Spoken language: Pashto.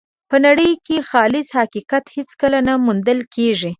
په نړۍ کې خالص حقیقت هېڅکله نه موندل کېږي.